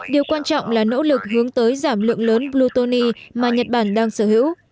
điều quan trọng là nỗ lực hướng tới giảm lượng lớn plutoni mà nhật bản đang sở hữu